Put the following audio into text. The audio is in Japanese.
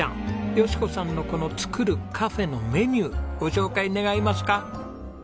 佳子さんのこの作るカフェのメニューご紹介願いますか？